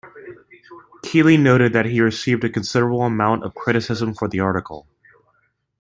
Keely noted that he received a considerable amount of criticism for the article.